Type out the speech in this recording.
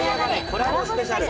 コラボスペシャル。